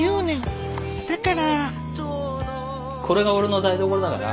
だから。